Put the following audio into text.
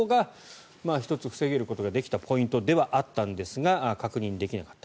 ここが１つ防げることができたポイントではあったんですが確認できなかった。